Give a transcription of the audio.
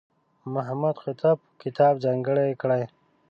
محمد قطب کتاب ځانګړی کړی.